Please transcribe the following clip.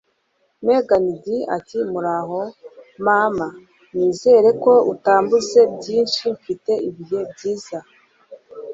Megan D ati muraho mama nizere ko utambuze byinshi, mfite ibihe byiza.